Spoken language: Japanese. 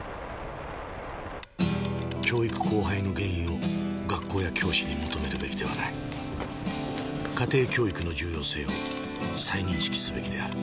「教育荒廃の原因を学校や教師に求めるべきではない」「家庭教育の重要性を再認識すべきである」